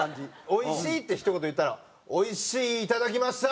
「おいしい」ってひと言言ったら「おいしいいただきました！」